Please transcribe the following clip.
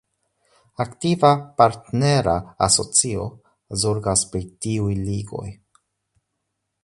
Aktiva partnera asocio zorgas pri tiuj ligoj.